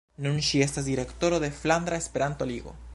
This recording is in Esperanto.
Nun ŝi estas direktoro de Flandra Esperanto-Ligo.